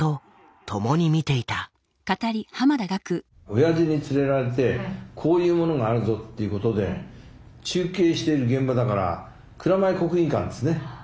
おやじに連れられてこういうものがあるぞっていうことで中継してる現場だから蔵前国技館ですね。